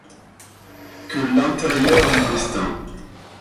Que l'intérieur du destin !